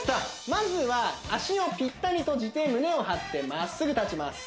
まずは足をピッタリ閉じて胸を張ってまっすぐ立ちます